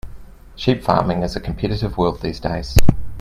Sheep farming is a competitive world these days.